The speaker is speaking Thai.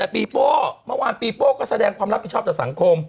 ปีโป้เมื่อวานปีโป้ก็แสดงความรับผิดชอบต่อสังคม